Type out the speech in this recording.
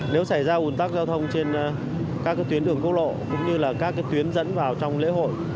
nếu xảy ra ủn tắc giao thông trên các tuyến đường quốc lộ cũng như là các tuyến dẫn vào trong lễ hội